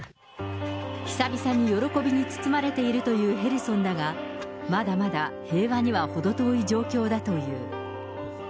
久々に喜びに包まれているというヘルソンだが、まだまだ平和には程遠い状況だという。